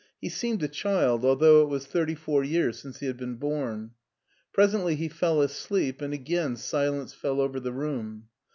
He seemed a child although it was thirty four years since he had been bom. Presently he. fell asleep and again silence fell over the room.